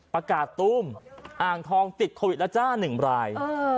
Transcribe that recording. ประกาศตุ้มอ่างทองติดโควิดแล้วจ้าหนึ่งราย